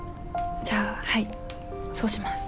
じゃあはいそうします。